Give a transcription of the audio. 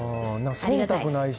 そんたくないし。